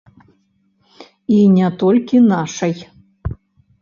І не толькі нашай.